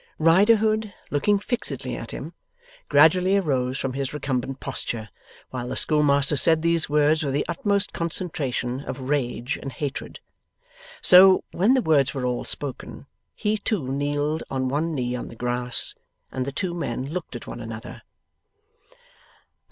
Riderhood, looking fixedly at him, gradually arose from his recumbent posture while the schoolmaster said these words with the utmost concentration of rage and hatred. So, when the words were all spoken, he too kneeled on one knee on the grass, and the two men looked at one another.